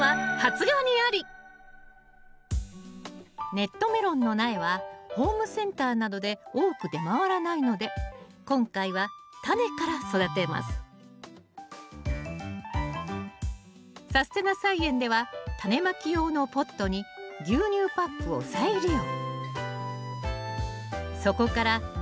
ネットメロンの苗はホームセンターなどで多く出回らないので今回はタネから育てます「さすてな菜園」ではタネまき用のポットに牛乳パックを再利用。